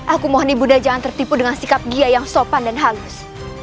aku mohon ibunda jangan tertipu dengan sikap dia yang sopan dan halus